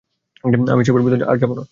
আমি এসবের ভিতর আর যাবো না।